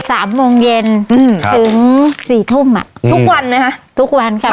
สามโมงเย็นอืมถึงสี่ทุ่มอ่ะทุกวันไหมคะทุกวันค่ะ